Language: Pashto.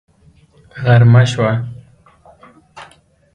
غرمه شوه